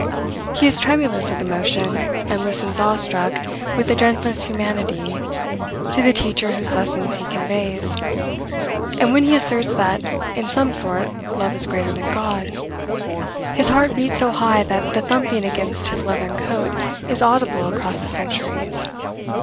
he is tremulous with emotion, and listens awe struck, with the gentlest humanity, to the Teacher whose lessons he conveys; and when he asserts that, "in some sort, love is greater than God," his heart beats so high that the thumping against his leathern coat is audible across the centuries.